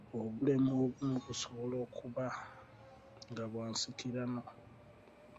Obulemu obumu busobola okuba nga bwa nsikirano.